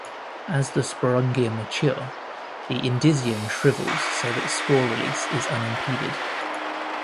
As the sporongia mature, the indusium shrivels so that spore release is unimpeded.